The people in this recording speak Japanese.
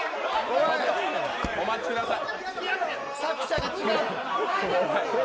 お待ちください。